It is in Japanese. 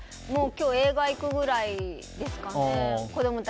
今日、映画行くぐらいですかね。